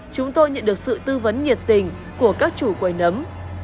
chúng tôi nhận được sự tư vấn nhiệt tình của các chủ quầy nấm